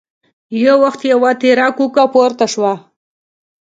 يو وخت يوه تېره کوکه پورته شوه.